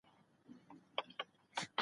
انګلیسي ژبه ستا لپاره یوه اړتیا ده.